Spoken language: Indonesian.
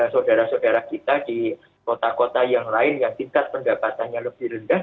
saudara saudara kita di kota kota yang lain yang tingkat pendapatannya lebih rendah